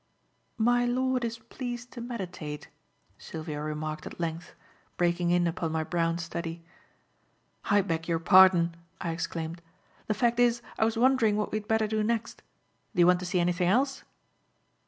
"My lord is pleased to meditate," Sylvia remarked at length, breaking in upon my brown study. "I beg your pardon," I exclaimed. "The fact is I was wondering what we had better do next. Do you want to see anything else?"